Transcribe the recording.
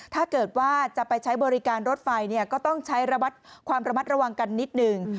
ถ้าเกิดว่าจะไปใช้บริการรถไฟก็ต้องใช้ระวัดความระมัดระวังกันนิดหนึ่ง